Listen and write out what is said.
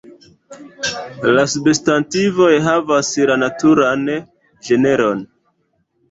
La substantivoj havas la naturan ĝenron.